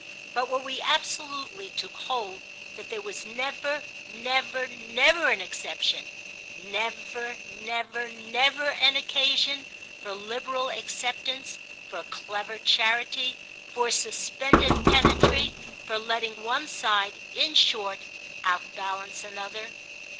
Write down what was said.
But were we absolutely to hold that there was never, never, never an exception, never, never, never an occasion for liberal acceptance, for clever charity, for suspended pedantry—for letting one side, in short, outbalance another?